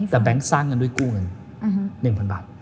แต่แบงค์สร้างเงินด้วยกู้เงิน๑๐๐๐บาท